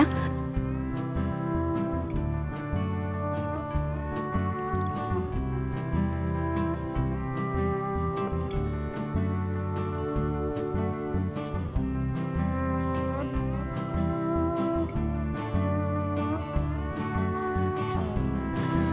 tác dụng của